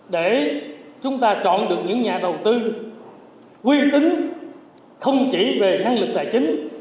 để chúng ta chọn được những nhà đầu tư quy tính không chỉ về năng lực tài chính